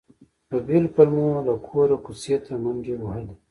په بېلو پلمو له کوره کوڅې ته منډې وهلې.